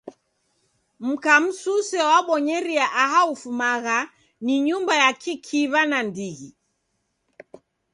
Mka msuse wabonyeria aha ufumagha ni nyumba ya kikiw'a nandighi.